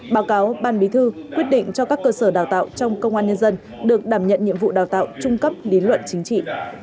báo cáo ban bí thư quyết định cho các cơ sở đào tạo trong công an nhân dân được đảm nhận nhiệm vụ đào tạo trung cấp lý luận chính trị